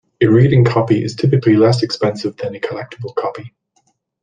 A reading copy is typically less expensive than a collectible copy.